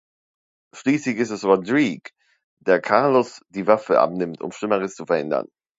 Schließlich ist es Rodrigue, der Carlos die Waffe abnimmt, um Schlimmeres zu verhindern.